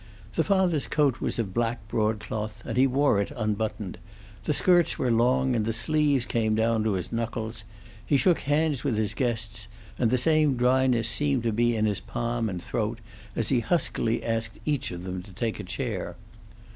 The father's coat was of black broadcloth, and he wore it unbuttoned; the skirts were long, and the sleeves came down to his knuckles; he shook hands with his guests, and the same dryness seemed to be in his palm and throat, as he huskily asked each to take a chair.